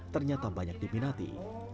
ternyata banyak diminati